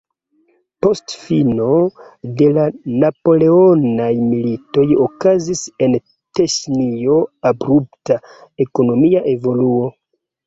Post fino de la napoleonaj militoj okazis en Teŝinio abrupta ekonomia evoluo.